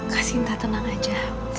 kasinta tenang saja